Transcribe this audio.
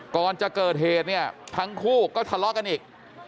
ก่อนจะเกิดเหตุเนี่ยทั้งคู่ก็ทะเลาะกันอีก